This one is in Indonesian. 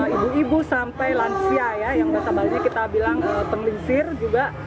ibu ibu sampai lansia yang basah balik kita bilang pengelisir juga